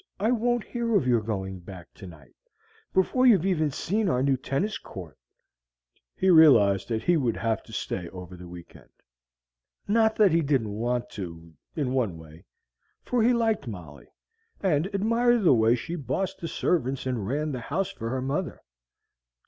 I won't hear of your going back tonight, before you've even seen our new tennis court," he realized that he would have to stay over the week end. Not that he didn't want to, in one way; for he liked Molly, and admired the way she bossed the servants and ran the house for her mother.